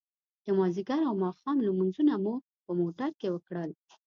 د ماذيګر او ماښام لمونځونه مو په موټر کې وکړل.